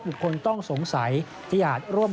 บุคคลต้องสงสัยที่อาจร่วม